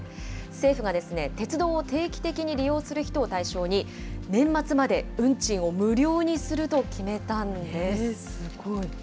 政府が鉄道を定期的に利用する人を対象に、年末まで運賃を無料にすごい。